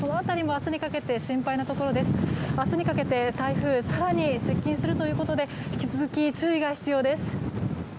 明日にかけて台風更に接近するということで引き続き注意が必要です。